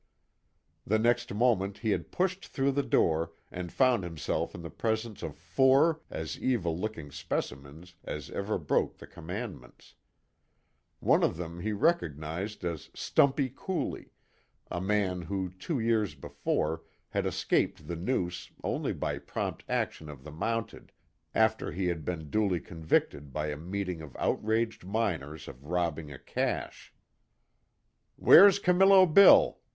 The next moment he had pushed through the door, and found himself in the presence of four as evil looking specimens as ever broke the commandments. One of them he recognized as "Stumpy" Cooley, a man who, two years before had escaped the noose only by prompt action of the Mounted, after he had been duly convicted by a meeting of outraged miners of robbing a cache. "Where's Camillo Bill?"